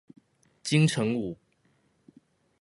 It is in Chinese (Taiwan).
金城武